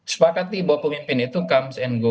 sepakati bahwa pemimpin itu comes and go